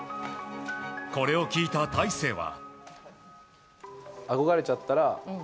これを聞いた大勢は。